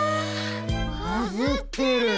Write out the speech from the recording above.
バズってる！